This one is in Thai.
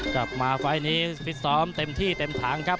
กลับมาไฟล์นี้ฟิตซ้อมเต็มที่เต็มถังครับ